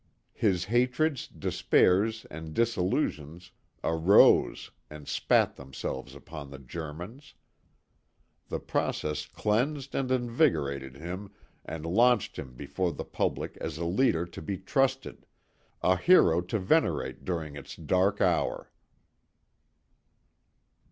His hatreds, despairs and disillusions arose and spat themselves upon the Germans. The process cleansed and invigorated him and launched him before the public as a leader to be trusted, a hero to venerate during its dark hour.